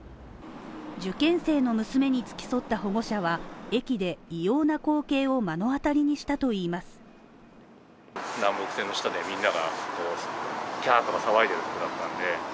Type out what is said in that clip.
受験生の娘に付き添った保護者は、駅で異様な光景を目の当たりにしたといいます。